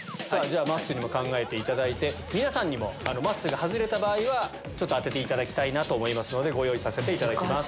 まっすーにも考えていただいて皆さんにもまっすーが外れた場合当てていただきますのでご用意させていただきます。